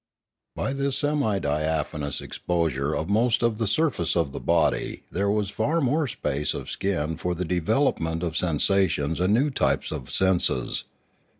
By this semi diaphanous exposure of most of the sur face of the body there was far more space of skin for the development of sensations and new types of senses.